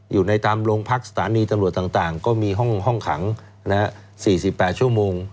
อยู่ในตามโรงพักสถานีตำรวจต่างก็มีห้องขัง๔๘ชั่วโมง